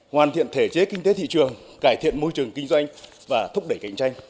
hoàn thiện thể chế kinh tế thị trường cải thiện môi trường kinh doanh và thúc đẩy cạnh tranh